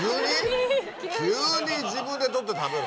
急に「自分で取って食べろ」？